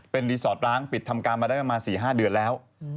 เป็นรีสอร์ทล้างปิดทำงานได้มา๔๕เดือนแล้ว